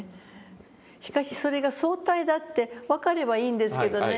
しかしそれが相対だって分かればいいんですけどね